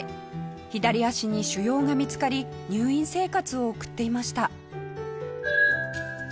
左脚に腫瘍が見つかり入院生活を送っていました。